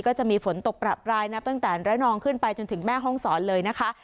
ก็จะมีฝนตกประปรายนะตั้งแต่ระนองขึ้นไปจนถึงแม่ห้องศรเลยนะคะ